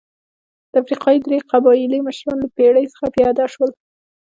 د افریقا درې قبایلي مشران له بېړۍ څخه پیاده شول.